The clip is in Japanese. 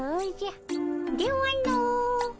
ではの。